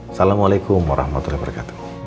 assalamualaikum warahmatullahi wabarakatuh